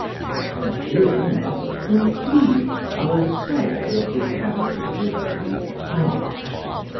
And here must conclude our survey of the character of Greek art.